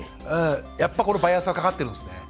やっぱこのバイアスはかかってるんですね。